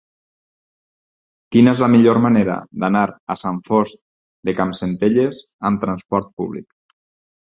Quina és la millor manera d'anar a Sant Fost de Campsentelles amb trasport públic?